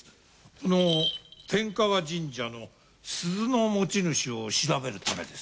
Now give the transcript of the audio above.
この天河神社の鈴の持ち主を調べるためです。